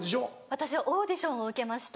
私はオーディションを受けました。